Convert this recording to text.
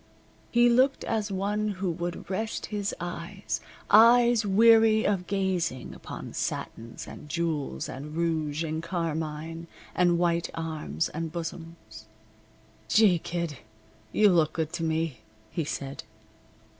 He looked as one who would rest his eyes eyes weary of gazing upon satins, and jewels, and rouge, and carmine, and white arms, and bosoms. "Gee, Kid! You look good to me," he said.